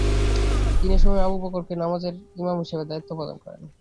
তিনি এসময় আবু বকরকে নামাজের ইমাম হিসেবে দায়িত্ব প্রদান করেন।